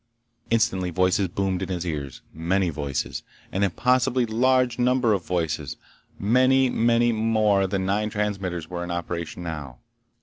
Instantly voices boomed in his ears. Many voices. An impossibly large number of voices. Many, many, many more than nine transmitters were in operation now!